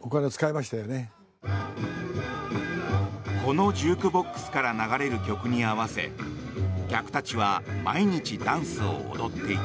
このジュークボックスから流れる曲に合わせ客たちは毎日ダンスを踊っていた。